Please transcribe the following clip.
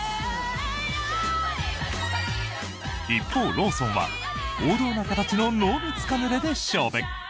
一方、ローソンは王道な形の濃密カヌレで勝負。